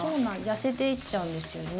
痩せていっちゃうんですよね。